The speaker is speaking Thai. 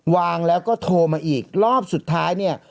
วางแล้วก็โทรมาอีกรอบสุดท้ายเนี่ย